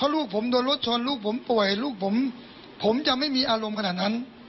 ลูกผมป่วยลูกผมผมจะไม่มีอารมณ์ขนาดนั้น